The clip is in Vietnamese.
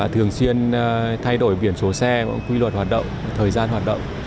thường xuyên thay đổi biển số xe quy luật hoạt động thời gian hoạt động